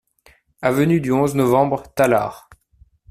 Avenue du onze Novembre, Tallard